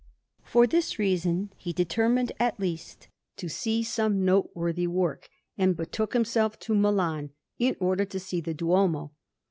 For this reason he determined at least to see some noteworthy work, and betook himself to Milan, in order to see the Duomo.